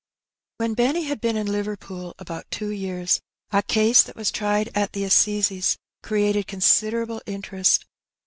When Benny had been in Liverpool about two years, a case that was tried at the assizes created considerable interest.